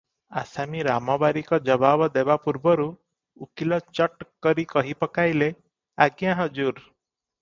ଆସାମୀ ରାମବାରିକ ଜବାବ ଦେବାପୂର୍ବରୁ ଉକୀଲ ଚଟ୍ କରି କହି ପକାଇଲେ, "ଆଜ୍ଞା ହଜୁର!